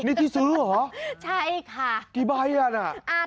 นี่ที่ซื้อหรือขี้ใบหาเหรอ